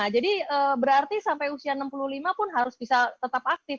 jadi berarti sampai usia enam puluh lima pun harus bisa tetap aktif